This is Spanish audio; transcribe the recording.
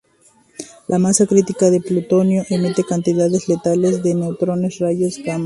La masa crítica del plutonio emite cantidades letales de neutrones y rayos gamma.